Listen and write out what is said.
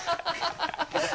ハハハ